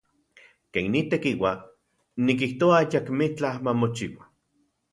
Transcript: Ken nitekiua, nikijtoa ayakmitlaj mamochiua.